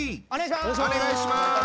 お願いします！